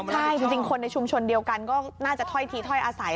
ใช่จริงคนในชุมชนเดียวกันก็น่าจะถ้อยทีถ้อยอาศัย